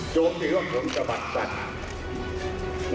โจทย์ดีว่าผมจะบัดกัน